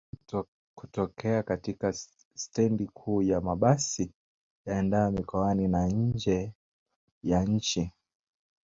kutokea katika stendi kuu ya mabasi yaendayo mikoani na nje ya nchi